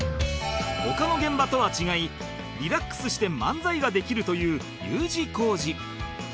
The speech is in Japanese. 他の現場とは違いリラックスして漫才ができるという Ｕ 字工事